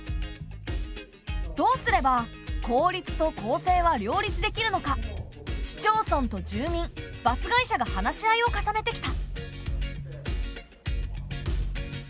どうすれば効率と公正は両立できるのか市町村と住民バス会社が話し合いを重ねてきた。